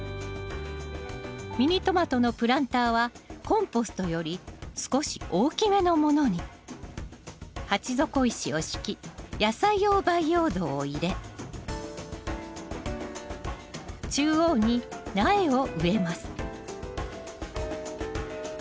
ミニトマトのプランターはコンポストより少し大きめのものに鉢底石を敷き野菜用培養土を入れ中央に苗を植えます